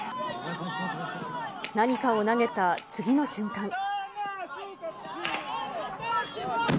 何かを投げた次の瞬間。